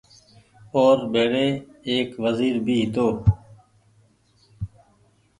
اور ڀيري ايڪ وزير بهي هيتو